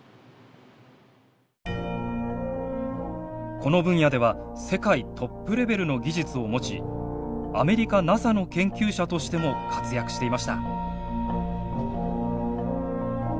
この分野では世界トップレベルの技術を持ちアメリカＮＡＳＡの研究者としても活躍していました。